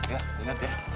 ya inget ya